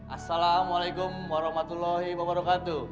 assalamualaikum warahmatullahi wabarakatuh